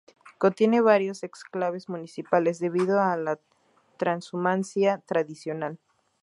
Contiene varios exclaves municipales debido a la trashumancia tradicional.